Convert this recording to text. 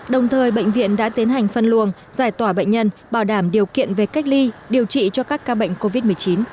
đồng thời bệnh viện đã tiến hành phân luồng giải tỏa bệnh nhân bảo đảm điều kiện về cách ly điều trị cho các ca bệnh covid một mươi chín